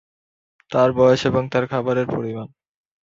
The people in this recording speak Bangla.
তার বয়স এবং তার খাবারের পরিমাণ।